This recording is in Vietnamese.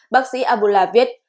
bác sĩ abula viết